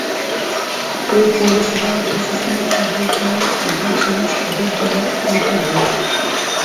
এ পৌরসভার প্রশাসনিক কার্যক্রম খাগড়াছড়ি সদর থানার আওতাধীন।